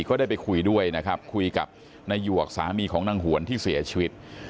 ก็ได้ไปคุยด้วยนะครับคุยกับนายหยวกสามีของนางหวนที่เสียชีวิต